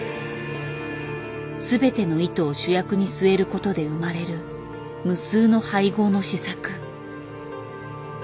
全ての糸を主役に据えることで生まれる無数の配合の試作。